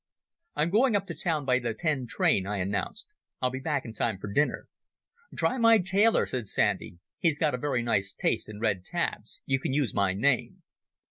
"I'm going up to town by the ten train," I announced; "I'll be back in time for dinner." "Try my tailor," said Sandy. "He's got a very nice taste in red tabs. You can use my name."